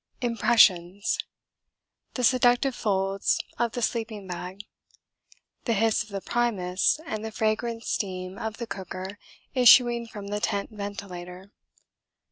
Impressions The seductive folds of the sleeping bag. The hiss of the primus and the fragrant steam of the cooker issuing from the tent ventilator.